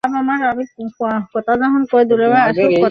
তিনি ওয়াহাবি আন্দোলন দ্বারা অনুপ্রাাণিত হয়েছিলেন ।